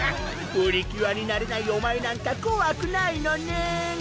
プリキュアになれないお前なんかこわくないのねん